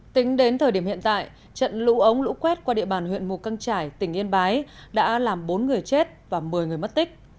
tính đến thời điểm hiện tại trận lũ ống lũ quét qua địa bàn huyện mù căng trải tỉnh yên bái đã làm bốn người chết và một mươi người mất tích